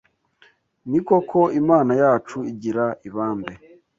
Ni koko Imana yacu igira ibambe